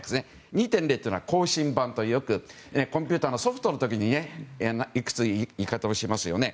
２．０というのは更新版というよくコンピューターのソフトの時に言い方をしますよね。